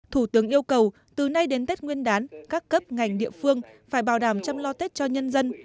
thủ tướng yêu cầu từ nay đến tết nguyên đán các cấp ngành địa phương phải bảo đảm chăm lo tết cho nhân dân